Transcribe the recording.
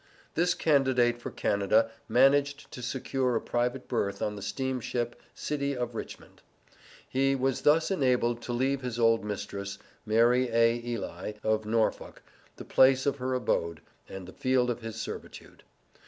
This candidate for Canada managed to secure a private berth on the steamship City of Richmond. He was thus enabled to leave his old mistress, Mary A. Ely, in Norfolk, the place of her abode, and the field of his servitude.